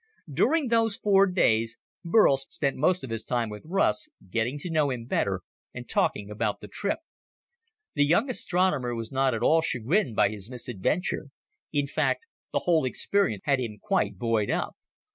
During those four days, Burl spent most of his time with Russ, getting to know him better, and talking about the trip. The young astronomer was not at all chagrined by his misadventure. In fact, the whole experience had him quite buoyed up.